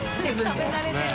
食べなれてる。